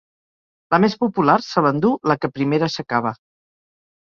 La més popular se l’endú la que primera s’acaba.